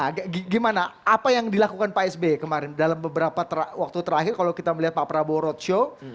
nah gimana apa yang dilakukan pak sby kemarin dalam beberapa waktu terakhir kalau kita melihat pak prabowo roadshow